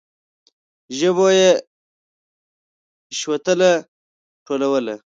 ژبو يې شوتله ټولوله.